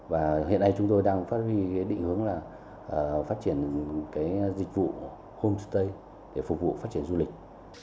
và hiện nay chúng tôi đang phát huy định hướng là phát triển dịch vụ homestay để phục vụ phát triển du lịch